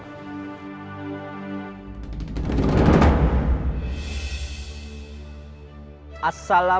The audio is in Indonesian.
bapak gak keberatan kan